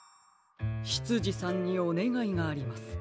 しつじさんにおねがいがあります。